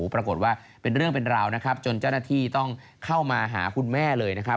ปรากฏว่าเป็นเรื่องเป็นราวนะครับจนเจ้าหน้าที่ต้องเข้ามาหาคุณแม่เลยนะครับ